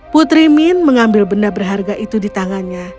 putri min mengambil benda berharga itu di tangannya